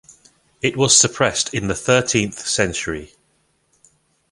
It was suppressed in the thirteenth century.